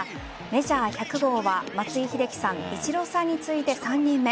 メジャー１００号は松井秀喜さん、イチローさんに次いで３人目。